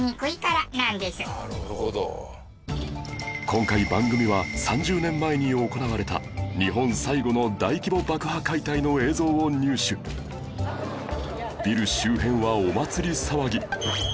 今回番組は３０年前に行われた日本最後の大規模爆破解体の映像を入手ビル周辺はお祭り騒ぎ